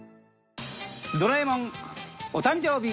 ドラえもんお誕生日